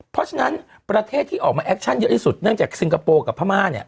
เพราะฉะนั้นประเทศที่ออกมาแอคชั่นเยอะที่สุดเนื่องจากซิงคโปร์กับพม่าเนี่ย